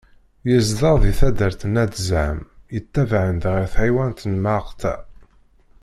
Yezdeɣ deg taddart n At Zεim, yetabaεen ɣer tɣiwant n Mεatqa.